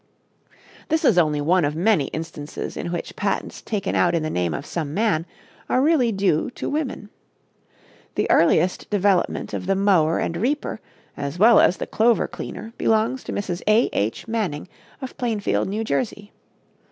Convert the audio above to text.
This is only one of many instances in which patents, taken out in the name of some man, are really due to women. The earliest development of the mower and reaper, as well as the clover cleaner, belongs to Mrs. A. H. Manning, of Plainfield, New Jersey.